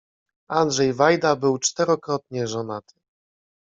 Andrzej Wajda był czterokrotnie żonaty.